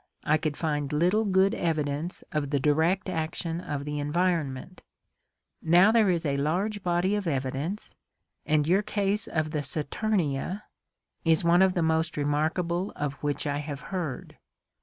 I could find little good evidence of the direct action of the environment; now there is a large body of evidence, and your case of the Saturnia is one of the most re markable of which I have heard."